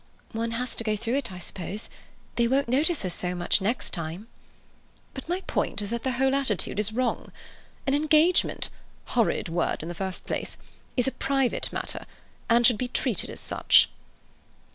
"One has to go through it, I suppose. They won't notice us so much next time." "But my point is that their whole attitude is wrong. An engagement—horrid word in the first place—is a private matter, and should be treated as such."